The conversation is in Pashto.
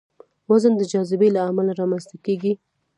وزن د جاذبې له امله رامنځته کېږي.